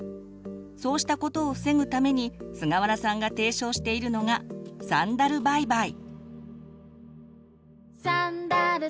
そうしたことを防ぐためにすがわらさんが提唱しているのが「サンダルバイバイ」。